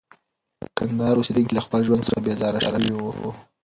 د کندهار اوسېدونکي له خپل ژوند څخه بېزاره شوي وو.